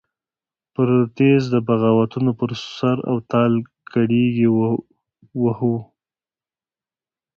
پر تېر د بغاوتونو پر سور او تال کرېږې وهو.